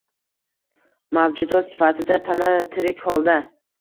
Mavjudot sifatida tana tirik holda.